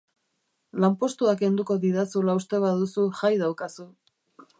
Lanpostua kenduko didazula uste baduzu jai daukazu.